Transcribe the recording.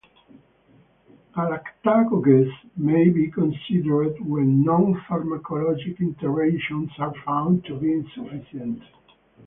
Galactagogues may be considered when non-pharmacologic interventions are found to be insufficient.